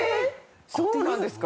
そうなんですか？